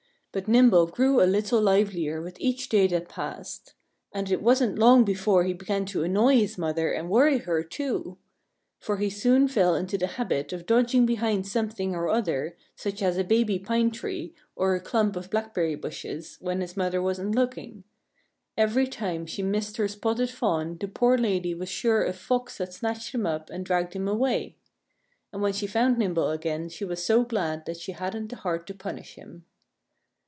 But Nimble grew a little livelier with each day that passed. And it wasn't long before he began to annoy his mother and worry her, too. For he soon fell into the habit of dodging behind something or other, such as a baby pine tree or a clump of blackberry bushes, when his mother wasn't looking. Every time she missed her spotted fawn the poor lady was sure a Fox had snatched him up and dragged him away. And when she found Nimble again she was so glad that she hadn't the heart to punish him.